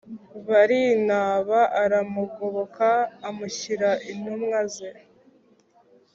Barinaba aramugoboka amushyira intumwa ze